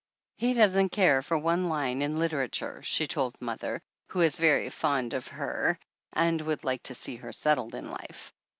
"He doesn't care for one line in literature," she told mother, who is very fond of her and would like to see her settled in life.